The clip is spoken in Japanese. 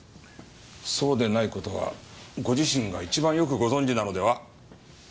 そうでない事はご自身が一番よくご存じなのでは？